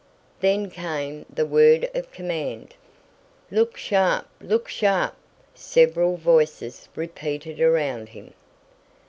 Then came the word of command. "Look sharp! Look sharp!" several voices repeated around him.